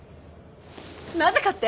なぜかって？